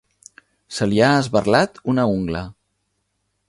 Se li ha esberlat una ungla.